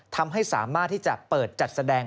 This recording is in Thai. ทำให้สามารถที่จะเปิดจัดแสดง